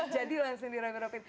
jadi langsung di remeropin